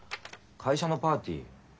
会社のパーティー？